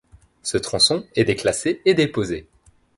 Ce tronçon est déclassé et déposé.